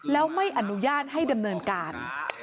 แล้วไม่อนุญาตให้ดำเนินการ